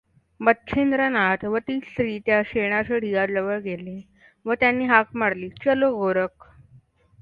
मच्छिंद्रनाथ व ती स्त्री त्या शेणाच्या ढिगाजवळ गेले व त्यांनी हाक मारली चलो गोरख!